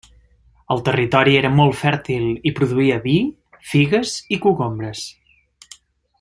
El territori era molt fèrtil i produïa vi, figues i cogombres.